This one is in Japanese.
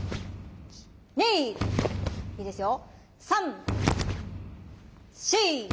いいですよ。